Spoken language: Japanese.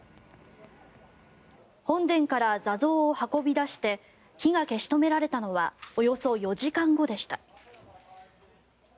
本殿から座像を運び出して火が消し止められたのはおよそ４時間後でした。